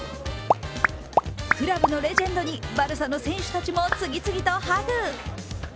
クラブのレジェンドにバルサの選手たちも次々とハグ。